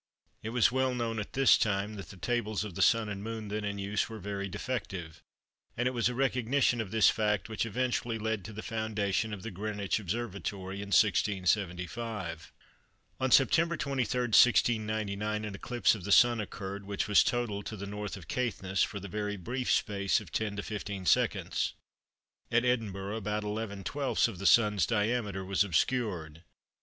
It was well known at this time that the tables of the Sun and Moon then in use were very defective, and it was a recognition of this fact which eventually led to the foundation of the Greenwich Observatory in 1675. On September 23, 1699, an eclipse of the Sun occurred which was total to the N. of Caithness for the very brief space of 10 15 secs. At Edinburgh, about 11/12ths of the Sun's diameter was obscured.